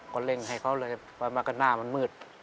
ก็เล่นให้เขาเลยเพราะว่ามันก็หน้ามันมืด